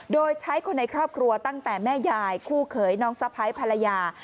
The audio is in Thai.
โดยใช้คนในครอบครัวตั้งแต่แม่ยายคู่เขยน้องสะพ้ายภรรยา